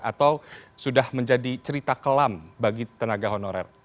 atau sudah menjadi cerita kelam bagi tenaga honorer